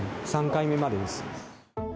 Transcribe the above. ３回目までです。